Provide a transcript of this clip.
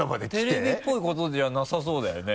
テレビっぽいことじゃなさそうだよね。